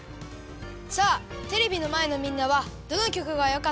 さあテレビのまえのみんなはどのきょくがよかったですか？